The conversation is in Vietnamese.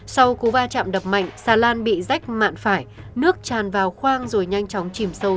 sau cú va chạm đập mạnh xà lan bị rách mạn phải nước tràn vào khoang rồi nhanh chóng chìm sâu